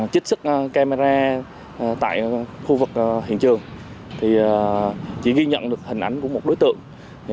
trích sức camera tại khu vực hiện trường chỉ ghi nhận được hình ảnh của một đối tượng